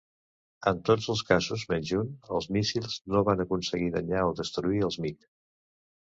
En tots els casos menys un, els míssils no van aconseguir danyar o destruir els MiG.